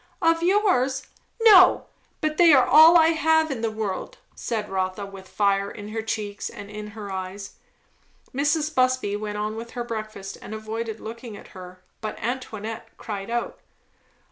"Of yours? No! But they are all I have in the world!" said Rotha, with fire in her cheeks and in her eyes. Mrs. Busby went on with her breakfast and avoided looking at her. But Antoinette cried out.